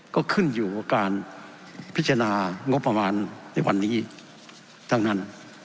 ก็ขึ้นอยู่กับการพิจารณางบประมาณในวันนี้ทั้งนั้น